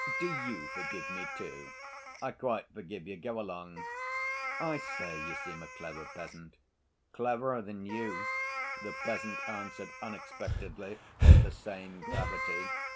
"Do you forgive me, too?" "I quite forgive you. Go along." "I say, you seem a clever peasant." "Cleverer than you," the peasant answered unexpectedly, with the same gravity.